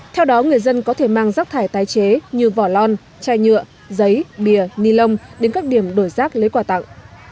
theo đó người dân có thể mang rác thải tái chế như vỏ lon chai nhựa giấy bìa nilon đến các điểm đổi rác lấy quả tặng